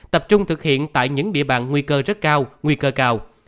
tập trung thực hiện tại những địa bàn nguy cơ rất cao nguy cơ cao